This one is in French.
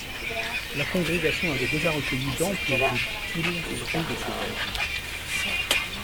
La congrégation avait déjà recueilli d’amples et d’utiles fruits de ses veilles.